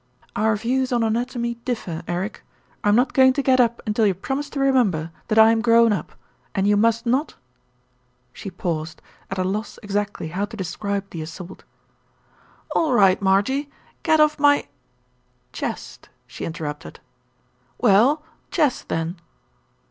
"Our views on anatomy differ, Eric. I am not go ing to get up until you promise to remember that I am grown up, and you must not " She paused, at a loss exactly how to describe the assault. "All right, Marjie. Get off my " "Chest," she interrupted. "Well, chest then."